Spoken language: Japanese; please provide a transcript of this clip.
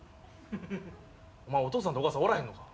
お前お父さんとお母さんおらへんのか？